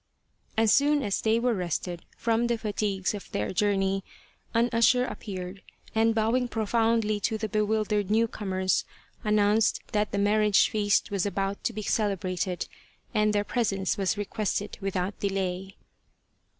As soon as they were rested from the fatigues of their journey an usher appeared and bowing profoundly to the bewildered new comers announced that the marriage feast was about to be celebrated and their presence was requested without delay.